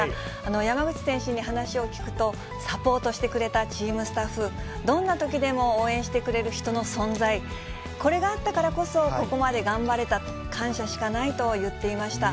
山口選手に話を聞くと、サポートしてくれたチームスタッフ、どんなときでも応援してくれる人の存在、これがあったからこそ、ここまで頑張れた、感謝しかないと言っていました。